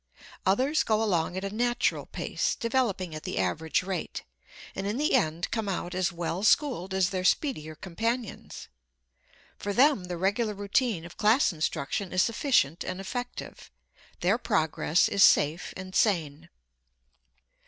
Others go along at a natural pace, developing at the average rate, and in the end come out as well schooled as their speedier companions. For them the regular routine of class instruction is sufficient and effective. Their progress is safe and sane.